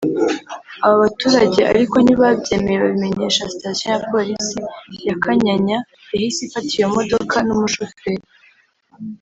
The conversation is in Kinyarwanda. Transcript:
Aba baturage ariko ntibabyemeye babimenyesha station ya polisi ya Kanyanya yahise ifata iyo modoka n’umushoferi